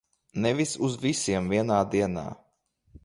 Nevis uz visiem vienā dienā.